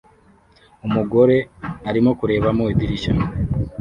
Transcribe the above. Umugore arimo kureba mu idirishya